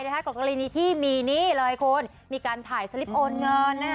กับแกรนี้ที่มีอนและเงิน